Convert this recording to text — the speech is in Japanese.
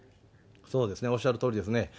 そうですね、おっしゃるとおりですね。